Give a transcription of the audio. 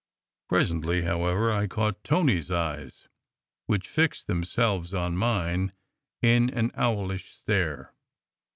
Presently, however, I caught Tony s eyes, which fixed themselves on mine in an owlish stare.